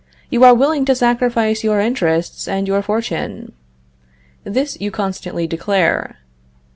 You are willing to sacrifice your interests and your fortune. This you constantly declare.